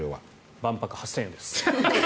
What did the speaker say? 万博、８０００円です。